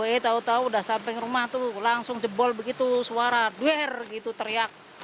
eh tau tau udah samping rumah tuh langsung jebol begitu suara duel gitu teriak